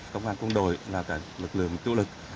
công an quân đội và lực lượng trụ lực